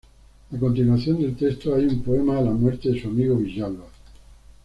A continuación del texto hay un poema a la muerte de su amigo Villalba.